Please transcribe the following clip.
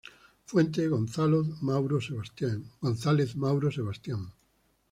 Fuente: "Gonzalez, Mauro Sebastian.